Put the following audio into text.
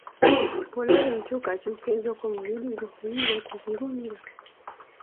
Bw'olaba enkyukakyuka ezo ku mubiri gwo oyinza okuzigumira?